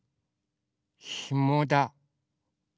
ひもだ。